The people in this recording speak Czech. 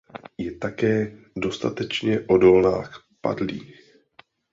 Je také dostatečně odolná k padlí.